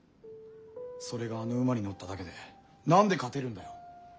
それがあの馬に乗っただけで何で勝てるんだよ？